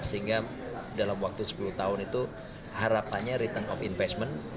sehingga dalam waktu sepuluh tahun itu harapannya return of investment